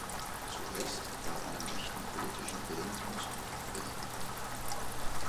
Zuerst, weil einem echten politischen Willen Ausdruck verliehen wurde.